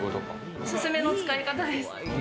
おすすめの使い方です。